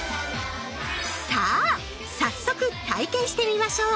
さあ早速体験してみましょう。